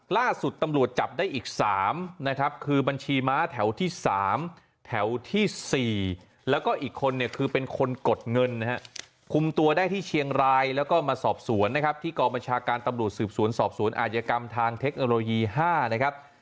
ล่าสุดตำรวจจับได้อีก๓นะครับคือบัญชีม้าแถวที่๓แถวที่๔แล้วก็อีกคนเนี่ยคือเป็นคนกดเงินนะฮะคุมตัวได้ที่เชียงรายแล้วก็มาสอบสวนนะครับที่กองบัญชาการตำรวจสืบสวนสอบสวนอาจกรรมทางเทคโนโลยี๕นะครับ